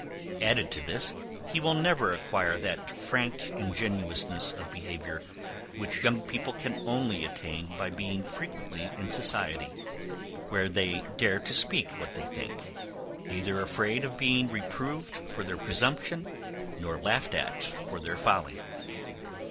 Added to this, he will never acquire that frank ingenuousness of behaviour, which young people can only attain by being frequently in society, where they dare to speak what they think; neither afraid of being reproved for their presumption, nor laughed at for their folly.